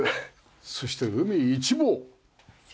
そして海一望！